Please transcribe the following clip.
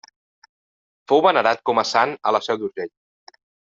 Fou venerat com a sant a la Seu d'Urgell.